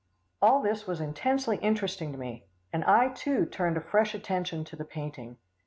All this was intensely interesting to me, and I too turned a fresh attention to the painting.